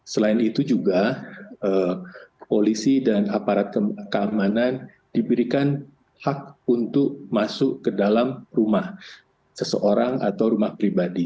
selain itu juga polisi dan aparat keamanan diberikan hak untuk masuk ke dalam rumah seseorang atau rumah pribadi